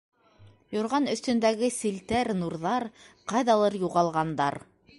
Юрған өҫтөндәге селтәр нурҙар ҡайҙалыр юғалғандар.